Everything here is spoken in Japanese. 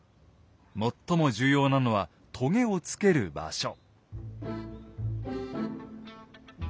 最も重要なのはとげを付ける場所。